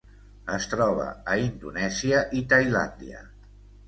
Es troba a Indonèsia i Tailàndia.